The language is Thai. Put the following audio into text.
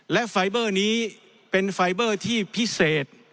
และไฟเบอร์นี้เป็นไฟเบอร์ที่พิเศษ